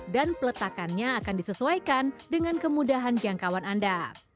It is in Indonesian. dan peletakannya akan disesuaikan dengan kemudahan jangkauan anda